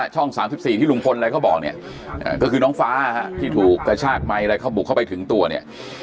ช่อง๓๔ที่ลุงพลอะไรเขาบอกเนี่ยก็คือน้องฟ้าที่ถูกกระชากไมค์อะไรเขาบุกเข้าไปถึงตัวเนี่ย